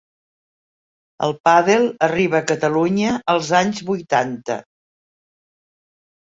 El pàdel arriba a Catalunya els anys vuitanta.